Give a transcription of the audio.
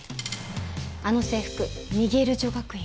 あの制服ミゲル女学院。